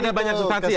ada banyak situasi ya